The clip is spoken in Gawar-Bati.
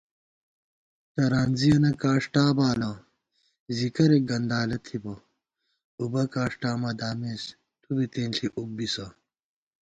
ترانزِیَنہ کاݭٹا بالہ زی کرېک گندالہ تھِبہ * اُبہ کاݭٹا مہ دامېس تُوبی تېنݪی اُب بِسہ